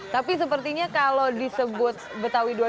tapi sepertinya kalau disebut betawi dua ratus dua puluh dua